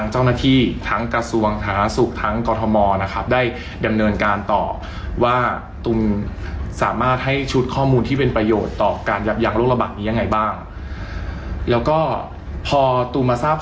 จากวันเกิดตูมเนี่ยนะครับจากงานวันเกิดตูม